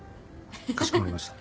かしこまりました。